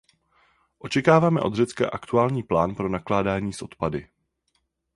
Očekáváme od Řecka aktuální plán pro nakládání s odpady.